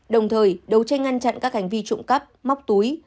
đồng thời đấu tranh ngăn chặn các hành vi trụng cấp móc túi